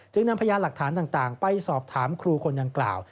นำพยานหลักฐานต่างไปสอบถามครูคนดังกล่าว